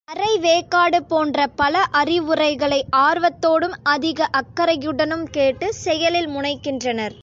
அரை வேக்காடு போன்ற பல அறிவுரைகளை ஆர்வத்தோடும், அதிக அக்கறையுடனும் கேட்டு, செயலில் முனைகின்றனர்.